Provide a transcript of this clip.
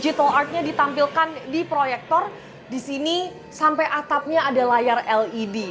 karena kalau sebelumnya digital artnya ditampilkan di proyektor disini sampai atapnya ada layar led